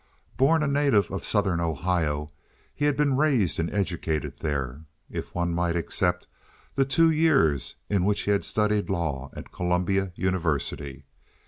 Born a native of southern Ohio, he had been raised and educated there, if one might except the two years in which he had studied law at Columbia University.